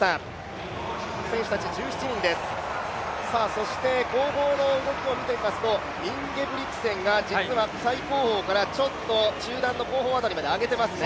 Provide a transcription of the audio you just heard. そして後方の動きを見てみますとインゲブリクセンが実は最後方からちょっと中団の後方辺りまで上げていますね。